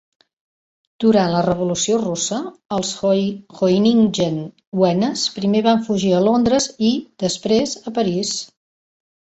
Durant la revolució russa, els Hoyningen-Huenes primer van fugir a Londres i, després, a París.